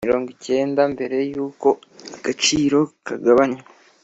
mirongo cyenda mbere y uko agaciro kagabanywa